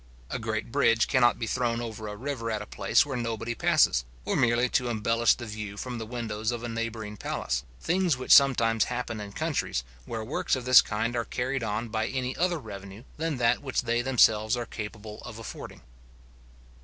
A great bridge cannot be thrown over a river at a place where nobody passes, or merely to embellish the view from the windows of a neighbouring palace; things which sometimes happen in countries, where works of this kind are carried on by any other revenue than that which they themselves are capable of affording.